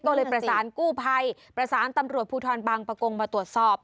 ก็เลยประสานกู้ภัยประสานตำรวจภูทรบางประกงมาตรวจสอบ